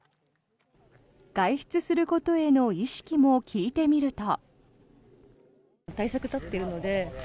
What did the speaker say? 外出することへの意識も聞いてみると。